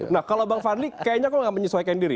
nah kalau bang fadli kayaknya kok enggak menyesuaikan diri